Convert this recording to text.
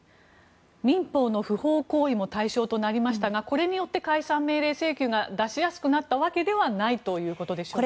民法の不法行為も対象となりましたがこれによって解散命令請求が出しやすくなったわけではないということでしょうか。